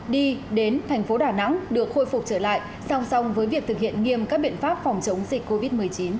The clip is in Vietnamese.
đi đến thành phố đà nẵng được khôi phục trở lại song song với việc thực hiện nghiêm các biện pháp phòng chống dịch covid một mươi chín